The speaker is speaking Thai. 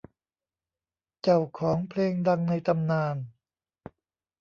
เจ้าของเพลงดังในตำนาน